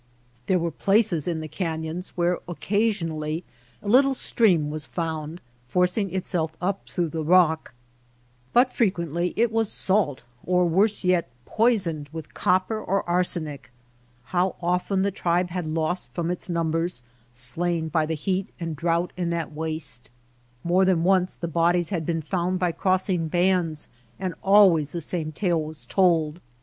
There were places in the canyons where occasionally a little stream was found forcing itself up through the rock; but frequently it was salt or, worse yet, poisoned with copper or arsenic. How often the tribe had lost from its numbers — slain by the heat and drought in that waste ! More than once the bodies had been found by crossing bands and always the same tale was told.